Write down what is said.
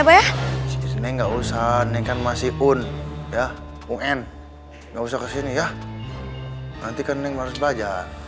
bayar ini enggak usah neng kan masih pun ya un nggak usah kesini ya nanti kan neng harus belajar